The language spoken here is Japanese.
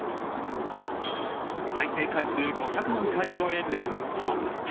再生回数５００万回超え連発！